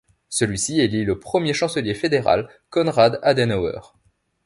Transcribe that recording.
Celui-ci élit le le premier chancelier fédéral, Konrad Adenauer.